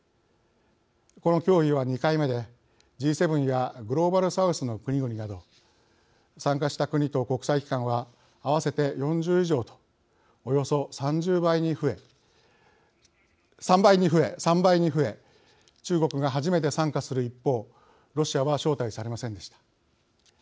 この協議は２回目でＧ７やグローバル・サウスの国々など参加した国と国際機関は合わせて４０以上とおよそ３倍に増え中国が初めて参加する一方ロシアは招待されませんでした。